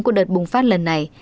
của đợt bùng phát lần này